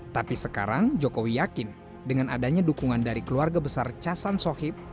tapi sekarang jokowi yakin dengan adanya dukungan dari keluarga besar casan sohib